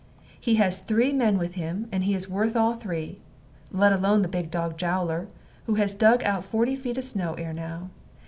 He has three men with him, and he is worth all three, let alone the big dog Jowler, who has dug out forty feet of snow ere now.